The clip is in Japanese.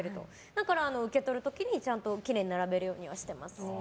だから受け取る時にちゃんときれいに並べるようにはしてます。